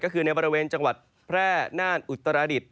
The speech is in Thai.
ก็คือในบริเวณจังหวัดแพร่น่านอุตราดิษฐ